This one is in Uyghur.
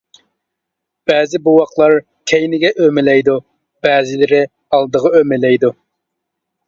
بەزى بوۋاقلار كەينىگە ئۆمىلەيدۇ، بەزىلىرى ئالدىغا ئۆمىلەيدۇ.